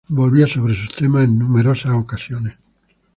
Volvía sobre sus temas en numerosas ocasiones.